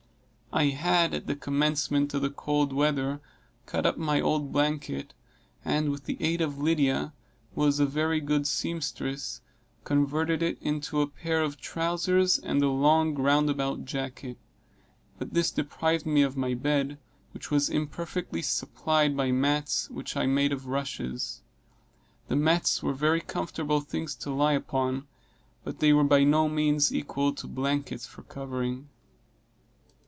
I had, at the commencement of the cold weather, cut up my old blanket, and, with the aid of Lydia, who was a very good seamstress, converted it into a pair of trowsers, and a long roundabout jacket; but this deprived me of my bed, which was imperfectly supplied by mats, which I made of rushes. The mats were very comfortable things to lie upon, but they were by no means equal to blankets for covering.